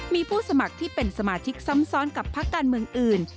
มีผู้สมัครที่เป็นสมาชิกซ้ำซ้อนกับพักการเมืองอื่น